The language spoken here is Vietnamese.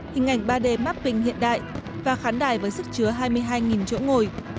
hình ảnh ba d mapping hiện đại và khán đài với sức chứa hai mươi hai chỗ ngồi